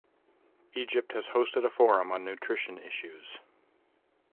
Egypt has hosted a Forum on nutrition issues.